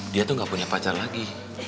dia tuh gak punya pacar lagi